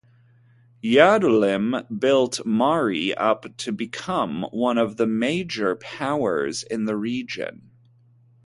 Yahdunlim built Mari up to become one of the major powers of the region.